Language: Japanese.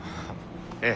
ええ。